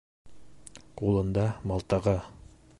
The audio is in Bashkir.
Ҡулында мылтығы.